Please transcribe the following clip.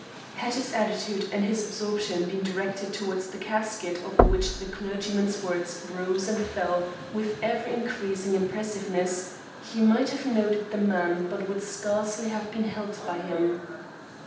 Had this attitude and this absorption been directed towards the casket over which the clergyman's words rose and fell with ever increasing impressiveness, he might have noted the man but would scarcely have been held by him.